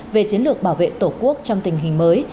về chiến lược bảo vệ tổ quốc trong tình hình mới